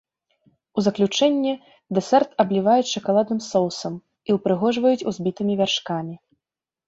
У заключэнне дэсерт абліваюць шакаладным соусам і ўпрыгожваюць узбітымі вяршкамі.